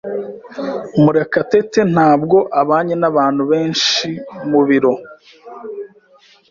Murekatete ntabwo abanye nabantu benshi mubiro.